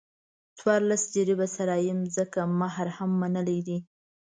څوارلس جریبه صحرایي ځمکې مهر هم منلی دی.